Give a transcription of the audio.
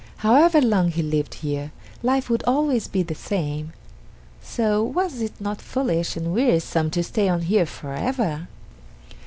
However long he lived here, life would always be the same, so was it not foolish and wearisome to stay on here for ever?